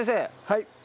はい。